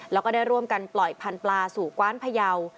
แล้วก็ได้ร่วมกันปล่อยพันธุ์ปลาสู่กว้านพยาว